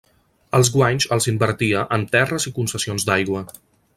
Els guanys els invertia en terres i concessions d'aigua.